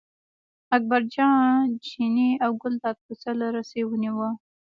اکبرجان چینی او ګلداد پسه له رسۍ ونیوه.